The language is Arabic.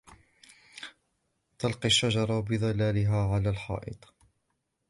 تلقي الشجرة بظلالها على الحائط.